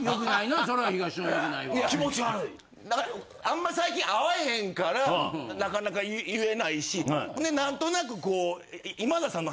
あんまり最近会わへんからなかなか言えないしほんでなんとなくこう。